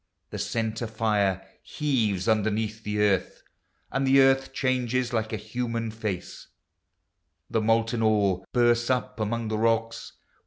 The centre fire heaves underneath the earth, And the earth changes like a human face; The molten ore bursts up among the rocks.